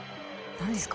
何ですか？